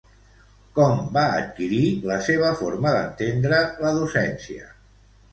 Com va adquirir la seva forma d'entendre la docència?